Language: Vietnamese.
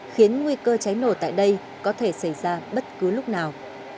khiến nguy cơ cháy nổ tại đây có thể xảy ra bất cứ lúc nào